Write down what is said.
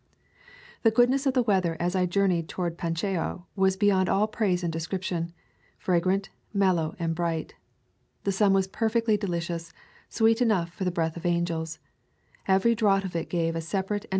The goodness of the weather as I journeyed toward Pacheco was be yond all praise and description — fragrant, mel low, and bright. The sky was perfectly deli cious, sweet enough for the breath of angels; every draught of it gave a separate and distinct 1 At this point the journal ends.